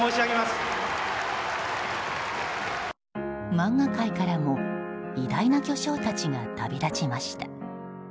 漫画界からも偉大な巨匠たちが旅立ちました。